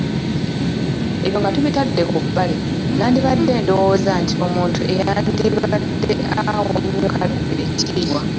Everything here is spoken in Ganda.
Ebyo nga tubitadde ku bbali, nandirowoozezza nti omuntu eyandibadde awa ennyo bakadde be ekitiibwa